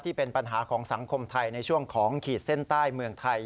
ที่เป็นปัญหาของสังคมไทยในช่วงของขีดเส้นใต้เมืองไทย